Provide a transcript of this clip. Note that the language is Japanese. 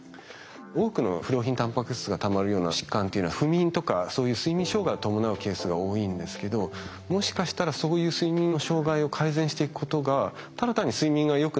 多くの不良品タンパク質がたまるような疾患っていうのは不眠とかそういう睡眠障害を伴うケースが多いんですけどもしかしたらそういう睡眠の障害を改善していくことがただ単に睡眠がよく